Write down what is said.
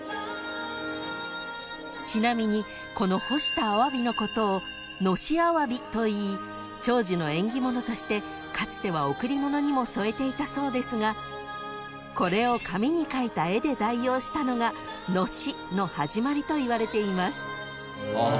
［ちなみにこの干したアワビのことをのしアワビといい長寿の縁起物としてかつては贈り物にも添えていたそうですがこれを紙に描いた絵で代用したのが「のし」の始まりといわれています］